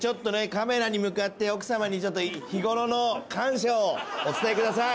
カメラに向かって奥様にちょっと日頃の感謝をお伝えください。